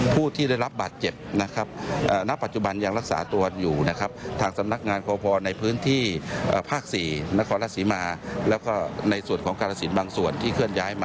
ขณะที่ความคืบหน้าในการดำเนินสินใหม่ทดแทน